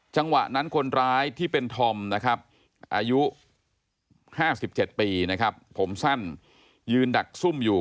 จังหวะนั้นคนร้ายที่เป็นธอมอายุ๕๗ปีผมสั้นยืนดักซุ่มอยู่